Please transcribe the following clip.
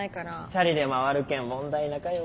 チャリで回るけん問題なかよ。